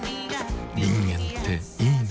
人間っていいナ。